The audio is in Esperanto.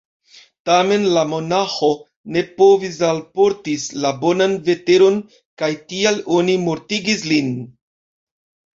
Tamen la monaĥo ne povis alportis la bonan veteron kaj tial oni mortigis lin.